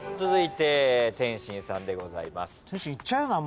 続いて天心さんでございます。